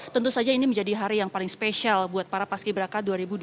tentu saja ini menjadi hari yang paling spesial buat para paski beraka dua ribu dua puluh